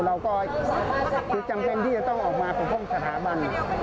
เราก็จำเป็นต้องออกมาแกะสถาบัน